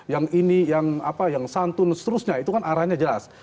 yang ini yang santun seterusnya itu kan arahnya jelas